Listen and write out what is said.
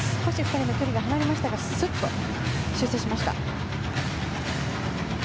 少し２人の距離が離れましたがすっと修正しました。